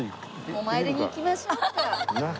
お参りに行きましょうか。